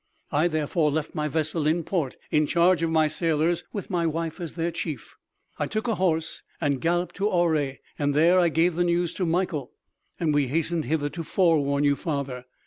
I, therefore, left my vessel in port in charge of my sailors with my wife as their chief, I took a horse and galloped to Auray. There I gave the news to Mikael, and we hastened hither to forewarn you, father."